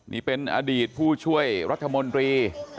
นี่เป็นอดีตผู้ช่วยรัฐมนตรี